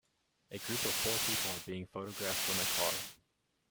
A group of four people are being photographed from a car.